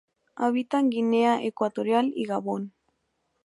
Habita en Guinea Ecuatorial y Gabón.